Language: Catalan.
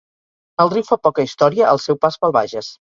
El riu fa poca història al seu pas pel Bages.